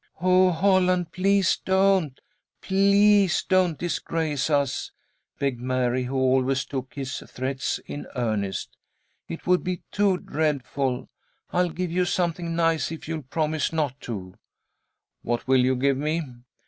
"Oh, Holland, please don't! Please don't disgrace us," begged Mary, who always took his threats in earnest. "It would be too dreadful. I'll give you something nice if you'll promise not to." "What will you give me?"